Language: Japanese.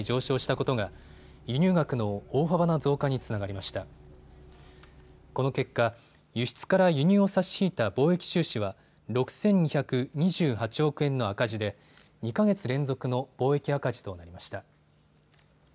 この結果、輸出から輸入を差し引いた貿易収支は６２２８億円の赤字で２か月連続の貿易赤字となりました。